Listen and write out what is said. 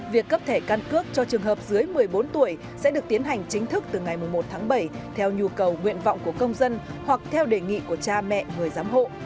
việc cấp thẻ căn cước cho trường hợp dưới một mươi bốn tuổi sẽ được tiến hành chính thức từ ngày một tháng bảy theo nhu cầu nguyện vọng của công dân hoặc theo đề nghị của cha mẹ người giám hộ